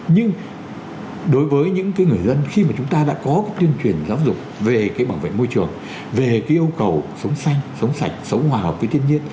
nhưng đối với những người dân khi mà chúng ta đã có cái tuyên truyền giáo dục về cái bảo vệ môi trường về cái yêu cầu sống xanh sống sạch sống hòa hợp với thiên nhiên